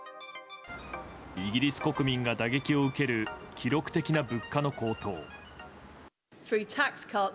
イギリス国民が打撃を受ける記録的な物価の高騰。